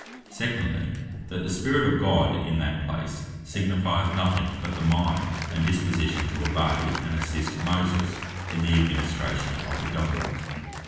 Secondly, that the Spirit of God in that place, signifieth nothing but the Mind and Disposition to obey, and assist Moses in the administration of the Government.